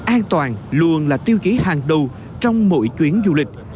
an toàn luôn là tiêu chí hàng đầu trong mỗi chuyến du lịch